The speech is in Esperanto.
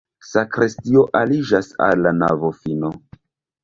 Sakristio aliĝas al la navofino.